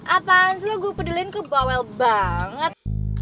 apaan lo gue peduliin ke bawel banget